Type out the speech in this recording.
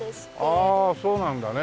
ああそうなんだね。